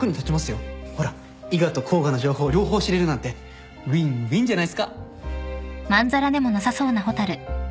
ほら伊賀と甲賀の情報両方知れるなんてウィンウィンじゃないっすか。